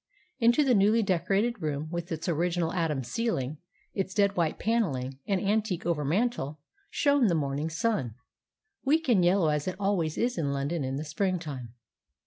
Into the newly decorated room, with its original Adams ceiling, its dead white panelling and antique overmantel, shone the morning sun, weak and yellow as it always is in London in the spring time.